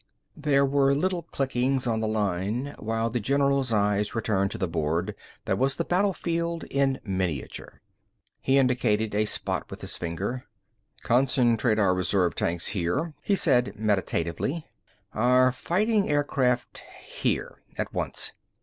There were little clickings on the line, while the general's eyes returned to the board that was the battlefield in miniature. He indicated a spot with his finger. "Concentrate our reserve tanks here," he said meditatively. "Our fighting aircraft here. At once."